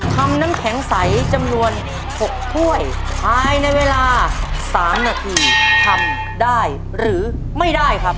น้ำแข็งใสจำนวน๖ถ้วยภายในเวลา๓นาทีทำได้หรือไม่ได้ครับ